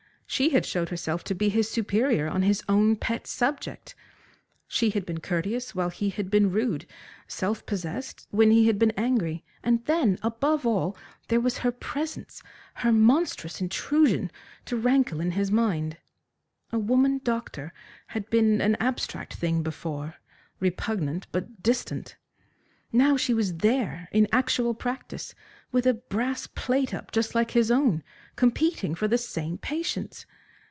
She had showed herself to be his superior on his own pet subject. She had been courteous while he had been rude, self possessed when he had been angry. And then, above all, there was her presence, her monstrous intrusion to rankle in his mind. A woman doctor had been an abstract thing before, repugnant but distant. Now she was there in actual practice, with a brass plate up just like his own, competing for the same patients.